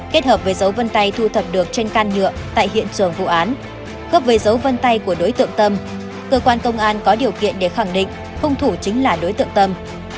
kết hợp với dấu vân tay thu thập được trên can nhựa tại hiện trường vụ án khớp với dấu vân tay của đối tượng tâm cơ quan công an có điều kiện để khẳng định hung thủ chính là đối tượng tâm